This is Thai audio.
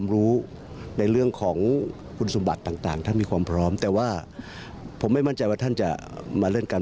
มีโอกาสเป็นไม่ได้สูงไหมคะว่าท่านยังจะไม่รับเลยแล้วก็ขอ